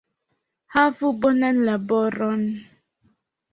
Havu bonan laboron